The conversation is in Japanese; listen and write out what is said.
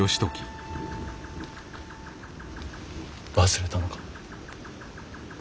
忘れたのか。